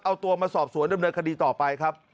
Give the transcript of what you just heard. เอาตัวมาสอบสวนด้วยบริเวณคดีต่อไปครับ